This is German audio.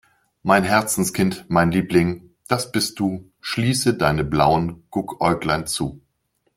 Mein Herzenskind, mein Liebling, das bist du, schließe deine blauen Guckäuglein zu.